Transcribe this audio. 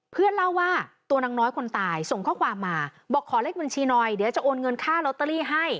เพื่อนเล่าว่าตัวนางน้อยคนตายส่งข้อความมาบอกขอเลขบัญชีหน่อยเดี๋ยวจะโอนเงินค่าลอตเตอรี่ให้